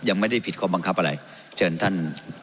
ยังไม่ได้ผิดข้อบังคับอะไรเชิญท่าน